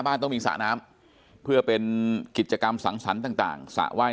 ต้องมีสระน้ำเพื่อเป็นกิจกรรมสังสรรค์ต่างสระว่าย